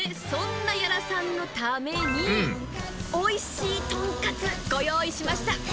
そんな屋良さんのために、おいしいとんかつ、ご用意しました。